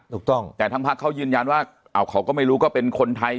ถูกต้องแต่ทั้งพักเขายืนยันว่าเขาก็ไม่รู้ก็เป็นคนไทย